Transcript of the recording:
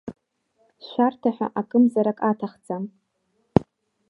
Шәарҭа ҳәа акымзарак аҭахӡам.